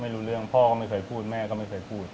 ไม่รู้เรื่องพ่อก็ไม่เคยพูดแม่ก็ไม่เคยพูด